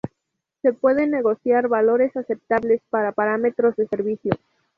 Se pueden negociar valores aceptables para los parámetros del servicio.